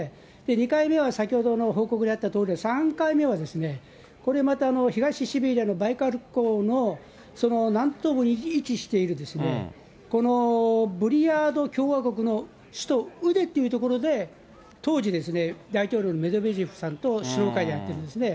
２回目は、先ほどの報告であったとおりで、３回目は、これまた東シベリアのバイカル湖のその南東部に位置している、共和国の首都ウデっていう所で、当時、大統領のメドベージェフさんと首脳会談やってるんですね。